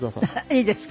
いいですか？